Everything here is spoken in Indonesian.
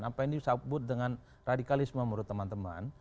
apa yang disebut dengan radikalisme menurut teman teman